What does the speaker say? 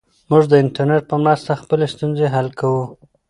موږ د انټرنیټ په مرسته خپلې ستونزې حل کوو.